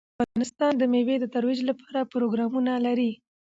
افغانستان د مېوې د ترویج لپاره پروګرامونه لري.